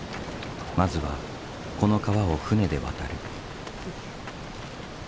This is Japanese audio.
まずはこの川を船で渡る。